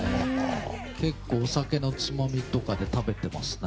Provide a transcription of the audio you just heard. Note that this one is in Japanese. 結構、お酒のつまみとかで食べてますね。